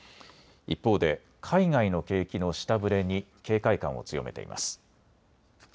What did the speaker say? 一方で海外の景気の下振れに警戒感を強めています。